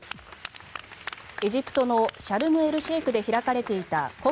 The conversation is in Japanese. エジプトのシャルムエルシェイクで開かれていたＣＯＰ